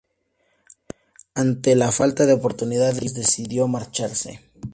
Ante la falta de oportunidades decidió marcharse.